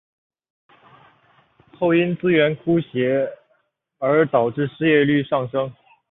后因资源枯竭而导致失业率上升。